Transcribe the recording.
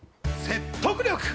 説得力！